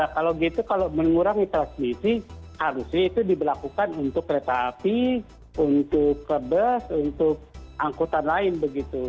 kalau gitu kalau mengurangi transmisi harusnya itu diberlakukan untuk kereta api untuk ke bus untuk angkutan lain begitu